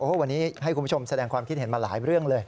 วันนี้ให้คุณผู้ชมแสดงความคิดเห็นมาหลายเรื่องเลย